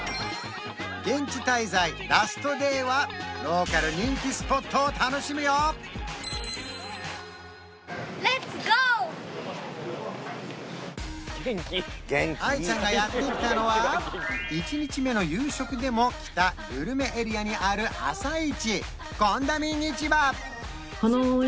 現地滞在ラストＤＡＹはローカル人気スポットを楽しむよ愛ちゃんがやって来たのは１日目の夕食でも来たグルメエリアにある朝市